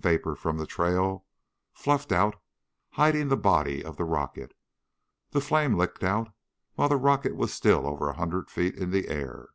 Vapor from the trail fluffed out hiding the body of the rocket. The flame licked out while the rocket was still over a hundred feet in the air.